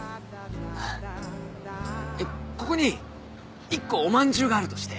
ここに１個おまんじゅうがあるとして。